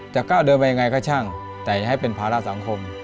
ก้าวเดินไปยังไงก็ช่างแต่อย่าให้เป็นภาระสังคม